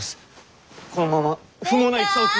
このまま不毛な戦を続。